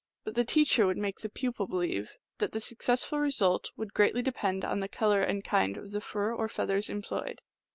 But the teacher would make the pupil believe that the successful result would greatly depend on the color and kind of the fur or feathers employed.